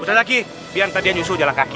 ustadzaki biar nanti dia nyusul jalan kaki